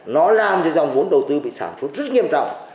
nó làm cho dòng vốn đầu tư bị sản xuất rất nghiêm trọng